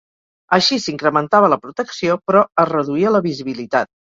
Així s'incrementava la protecció, però es reduïa la visibilitat.